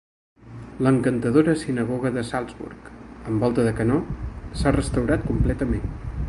L'encantadora sinagoga de Sulzburg, amb volta de canó, s'ha restaurat completament.